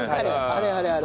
あれあれあれ。